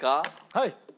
はい。